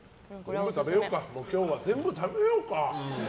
もう、今日は全部食べようか。